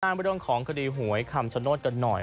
น่าไม่ร่วมของคดีหวยคำสะโนธกันหน่อย